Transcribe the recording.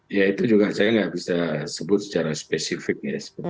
ya itu juga saya nggak bisa sebut secara spesifik ya